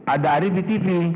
ada arief di tv